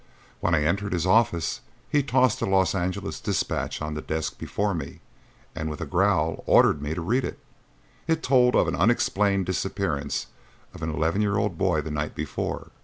When I entered his office he tossed a Los Angeles dispatch on the desk before me and with a growl ordered me to read it. It told of the unexplained disappearance of an eleven year old boy the night before.